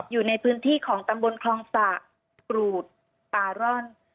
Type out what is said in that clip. อยู่ในพื้นที่ของตำบลคลองสะกรูดปาร่อน